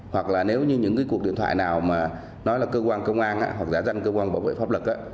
hoặc là nếu như những cái cuộc điện thoại nào mà nói là cơ quan công an hoặc giả danh cơ quan bảo vệ pháp luật